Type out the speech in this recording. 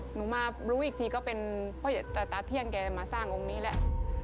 หนูมารู้อีกทีก็เป็นพ่อตาตาเที่ยงแกมาสร้างองค์นี้แหละ